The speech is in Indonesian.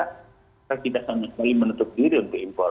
kita tidak sama sekali menutup diri untuk impor